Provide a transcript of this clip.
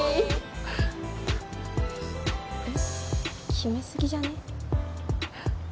キメすぎじゃね？